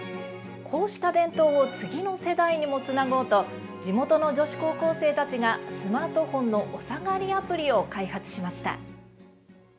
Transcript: こうした伝統を次の世代にもつなごうと地元の女子高校生たちがスマートフォンのおさがりアプリを開発しました。